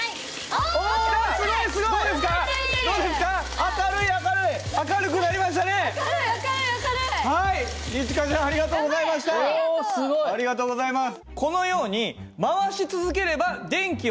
おすごい。ありがとうございます。